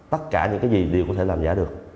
tất cả những cái gì đều có thể làm giả được